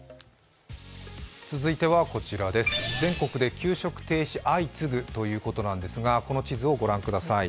続いては、全国で給食停止相次ぐということなんですがこの地図をご覧ください